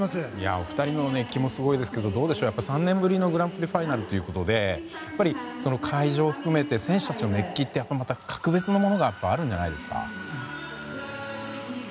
お二人の熱気もすごいですが、３年ぶりのグランプリファイナルで会場含めて選手たちの熱気って格別なものがあるんじゃないですか？